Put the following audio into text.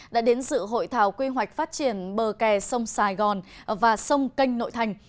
đã đến dự hội thảo quy hoạch phát triển bờ kè sông sài gòn và sông canh nội thành